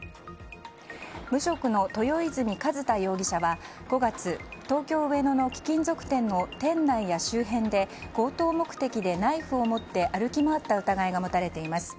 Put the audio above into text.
無職の豊泉寿太容疑者は５月東京・上野の貴金属店の店内や周辺で強盗目的でナイフを持って歩き回った疑いが持たれています。